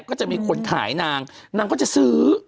ก็จะมีคนขายนางนางก็จะซื้อ